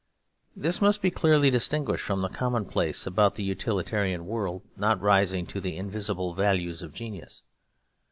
This must be clearly distinguished from the commonplace about the utilitarian world not rising to the invisible values of genius.